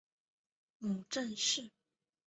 母郑氏。